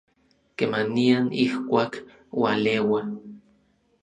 kemanian, ijkuak, ualeua